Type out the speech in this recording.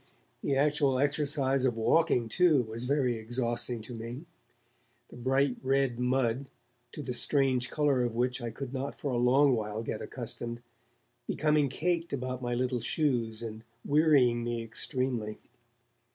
The actual exercise of walking, too, was very exhausting to me; the bright red mud, to the strange colour of which I could not for a long while get accustomed, becoming caked about my little shoes, and wearying me extremely.